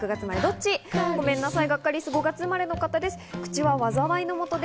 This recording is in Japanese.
ごめんなさい、５月生まれの方です。